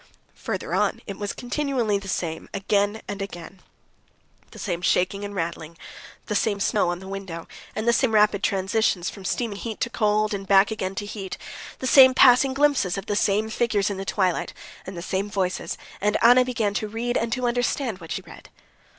Farther on, it was continually the same again and again: the same shaking and rattling, the same snow on the window, the same rapid transitions from steaming heat to cold, and back again to heat, the same passing glimpses of the same figures in the twilight, and the same voices, and Anna began to read and to understand what she read.